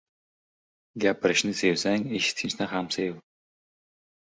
• Gapirishni sevsang eshitishni ham sev.